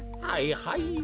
はいはい。